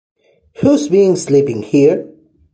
Who's Been Sleeping Here?